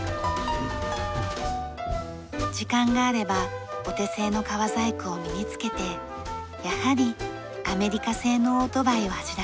時間があればお手製の革細工を身につけてやはりアメリカ製のオートバイを走らせます。